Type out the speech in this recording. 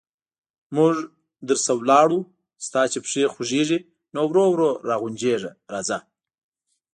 موږ درنه لاړو، ستا چې پښې خوګېږي، نو ورو ورو را غونجېږه راځه...